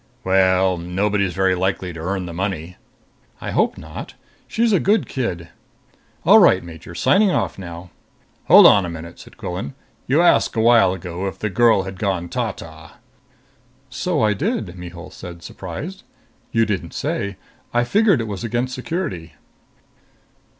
"Well, nobody's very likely to earn the money." "I hope not. She's a good kid. All right, Major. Signing off now." "Hold on a minute," said Quillan. "You asked a while ago if the girl had gone ta ta." "So I did," Mihul said, surprised. "You didn't say. I figured it was against security."